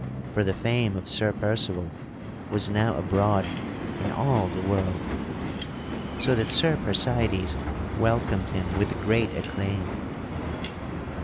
For the fame of Sir Percival was now abroad in all the world, so that Sir Percydes welcomed him with great acclaim.